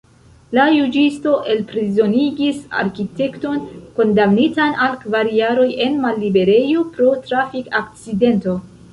La juĝisto elprizonigis arkitekton kondamnitan al kvar jaroj en malliberejo pro trafik-akcidento.